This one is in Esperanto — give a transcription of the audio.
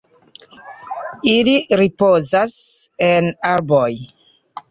Ili ripozas en arboj.